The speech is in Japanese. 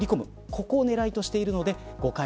ここを狙いとしているので誤解